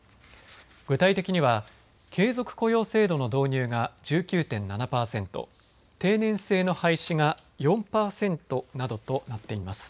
具体的には継続雇用制度の導入が１９．７％、定年制の廃止が４％などとなっています。